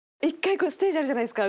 こうステージあるじゃないですか。